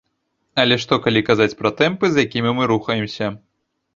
Але што калі казаць пра тэмпы, з якімі мы рухаемся?